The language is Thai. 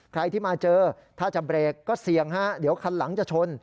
ใครที่มาเจอถ้าจะเบรกก็เสี่ยงฮะเดี๋ยวคันหลังจะชน